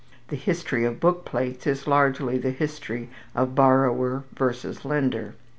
The history of book plates is largely the history of borrower versus lender.